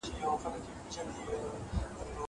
زه به سبا قلم استعمالوموم وم.